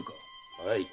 はい。